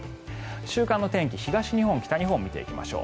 週間天気、東日本、北日本を見ていきましょう。